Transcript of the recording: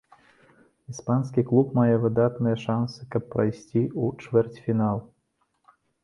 Іспанскі клуб мае выдатныя шанцы, каб прайсці ў чвэрцьфінал.